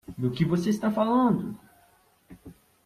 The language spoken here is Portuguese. Do que você está falando?